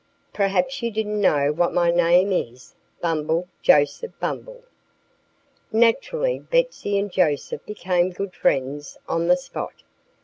Perhaps you didn't know that my name is Bumble Joseph Bumble." Naturally Betsy and Joseph became good friends on the spot.